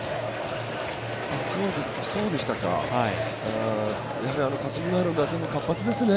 そうでしたか、やはり霞ヶ浦の打線も活発ですね。